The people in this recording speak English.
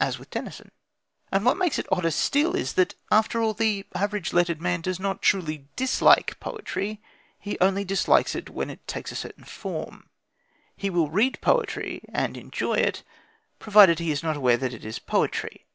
As with Tennyson. And what makes it odder still is that, after all, the average lettered man does not truly dislike poetry; he only dislikes it when it takes a certain form. He will read poetry and enjoy it, provided he is not aware that it is poetry.